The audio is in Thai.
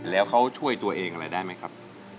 แล้วเขาช่วยตัวเองอะไรได้ไหมครับ